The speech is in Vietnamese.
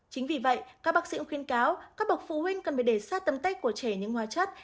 chính vì vậy các bác sĩ cũng khuyên cáo các bậc phụ huynh cần phải để sát tầm tích của trẻ những hóa chất